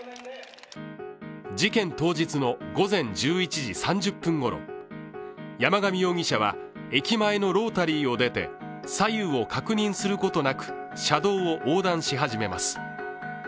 事件当日の午前１１時３０分ごろ、山上容疑者は駅前のロータリーを出て左右を確認することなく車道を横断し始めます。